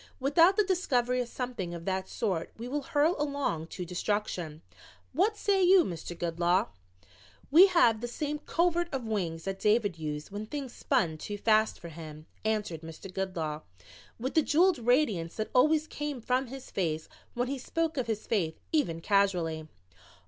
Without the discovery of something of that sort we will hurl along to destruction. What say you, Mr. Goodloe?" "We have the same 'covert of wings' that David used when things spun too fast for him," answered Mr. Goodloe with the jeweled radiance that always came from his face when he spoke of his faith even casually.